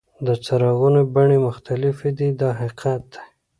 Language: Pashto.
د څراغونو بڼې مختلفې دي دا حقیقت دی.